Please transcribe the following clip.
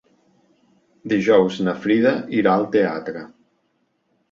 Dijous na Frida irà al teatre.